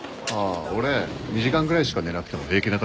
俺２時間ぐらいしか寝なくても平気な体質だから。